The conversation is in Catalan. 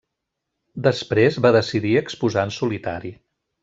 Després va decidir exposar en solitari.